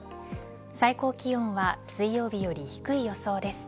最高気温は水曜日より低い予想です。